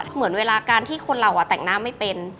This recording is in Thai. เหมือนเวลาการที่คนเราแต่งหน้าไม่เป็น